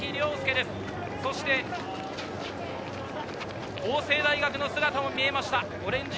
そして法政大学の姿が見えました。